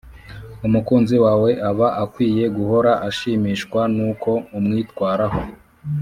umukunzi wawe aba akwiye guhora ashimishwa n’uko umwitwaraho